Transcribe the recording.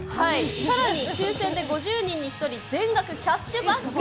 さらに、抽せんで５０人に１人、全額キャッシュバック。